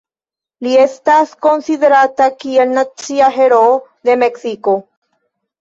Li estas konsiderata kiel nacia heroo de Meksiko.